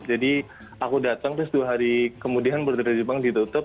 jadi aku datang terus dua hari kemudian border jepang ditutup